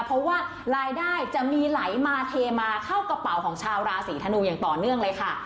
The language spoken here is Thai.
เพราะว่ารายได้จะมีไหลมาเทมาเข้ากระเป๋าของชาวราศีธนูอย่างต่อเนื่องเลยค่ะ